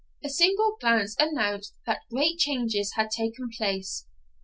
A single glance announced that great changes had taken place.